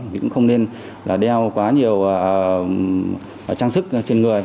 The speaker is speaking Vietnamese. thì cũng không nên đeo quá nhiều trang sức trên người